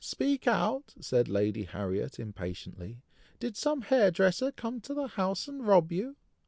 speak out!" said Lady Harriet, impatiently, "did some hair dresser come to the house and rob you?"